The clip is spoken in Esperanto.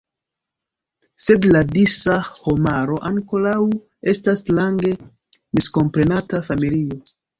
Sed la disa homaro ankoraŭ estas strange miskomprenata familio.